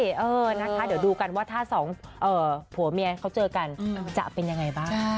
เดี๋ยวดูกันว่าถ้าผัวเมียเขาเจอกันจะเป็นยังไงบ้าง